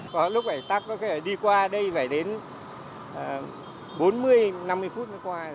có lúc phải tắt đi qua đây phải đến bốn mươi năm mươi phút mới qua